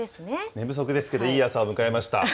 寝不足ですけど、いい朝を迎えました。